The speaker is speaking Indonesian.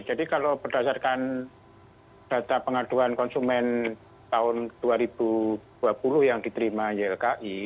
jadi kalau berdasarkan data pengaduan konsumen tahun dua ribu dua puluh yang diterima ilki